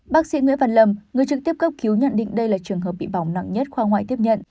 bác sĩ nguyễn văn lâm người trực tiếp cấp cứu nhận định đây là trường hợp bị bỏng nặng nhất khoa ngoại tiếp nhận